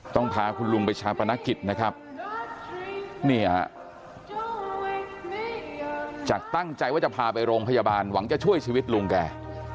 พาคุณลุงไปชาปนกิจนะครับนี่ฮะจากตั้งใจว่าจะพาไปโรงพยาบาลหวังจะช่วยชีวิตลุงแก